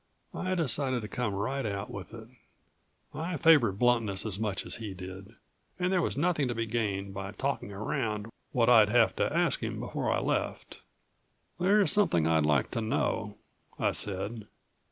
I decided to come right out with it. I favored bluntness as much as he did, and there was nothing to be gained by talking around what I'd have to ask him before I left. "There's something I'd like to know," I said.